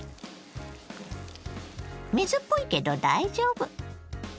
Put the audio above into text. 水っぽいけど大丈夫。